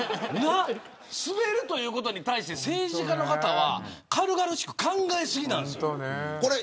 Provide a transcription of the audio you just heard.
すべるということに関して政治家の方は軽々しく考えすぎなんです。